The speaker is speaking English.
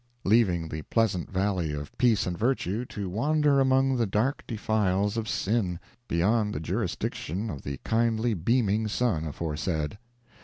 —leaving the pleasant valley of Peace and Virtue to wander among the dark defiles of Sin, beyond the jurisdiction of the kindly beaming sun aforesaid!